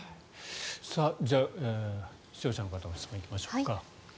じゃあ視聴者の方の質問行きましょうか。